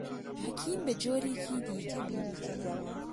حەکیم بە جۆرێکی دیکە بیری کردەوە.